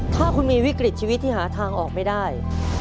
ถ้าคุณมีวิกฤตชีวิตที่หาทางออกไม่ได้